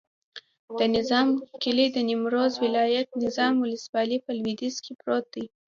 د نظام کلی د نیمروز ولایت، نظام ولسوالي په لویدیځ کې پروت دی.